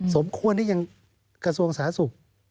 สมควรที่ยังกระทรวงสาธารณสุข